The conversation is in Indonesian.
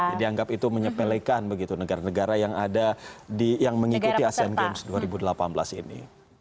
jadi anggap itu menyepelekan begitu negara negara yang mengikuti asian games dua ribu delapan belas ini